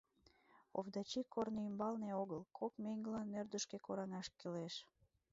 — Овдачи корно ӱмбалне огыл, кок меҥгылан ӧрдыжкӧ кораҥаш кӱлеш.